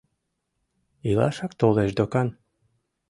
Илашак толеш докан.